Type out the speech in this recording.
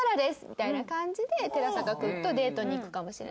みたいな感じで寺坂君とデートに行くかもしれない。